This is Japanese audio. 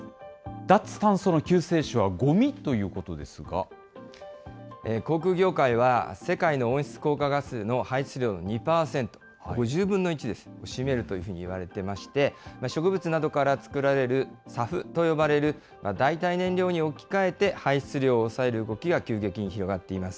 脱炭素の救世主はゴミ？というこ航空業界は、世界の温室効果ガスの排出量の２％、５０分の１を占めるというふうにいわれてまして、植物などから作られるＳＡＦという、代替燃料に置き換えて、排出量を抑える動きが広がっています。